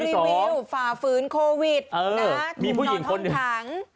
โพสต์รีวิวฝ่าฝืนโควิดถุงนอนท้องทั้ง